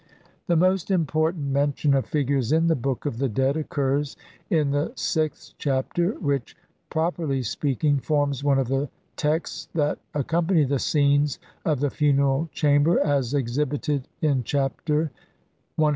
The most important mention ot figures in the Book of the Dead occurs in the Vlth Chapter which, pro perly speaking, forms one of the texts that accom pany the scene of the Funeral Chamber as exhibited in Chapter CLI.